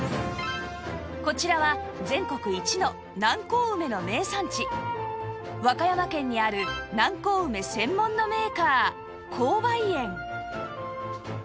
こちらは全国一の南高梅の名産地和歌山県にある南高梅専門のメーカー紅梅園